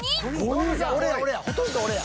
ほとんど俺や。